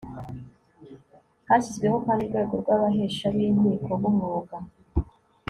hashyizweho kandi urwego rw'abahesha b'inkiko b'umwuga